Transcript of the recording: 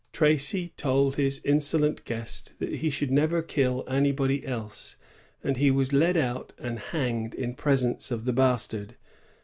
Tracy told his insolent guest that he should never kill anybody else; and he was led out and hanged in presence of the Bastard.